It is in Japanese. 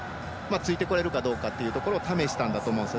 ついてこれるかどうかというのを試したんだと思うんです。